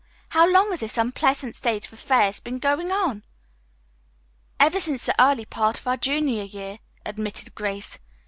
"How long has this unpleasant state of affairs been going on?" "Ever since the early part of our junior year," admitted Grace.